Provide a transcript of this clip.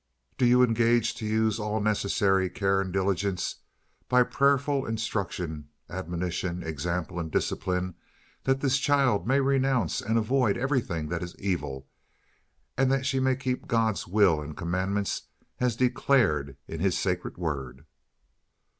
"Do you engage to use all necessary care and diligence, by prayerful instruction, admonition, example, and discipline that this child may renounce and avoid everything that is evil and that she may keep God's will and commandments as declared in His sacred word?"